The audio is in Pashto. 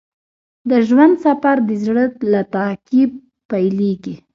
د ژوند سفر د زړه له تعقیب پیلیږي.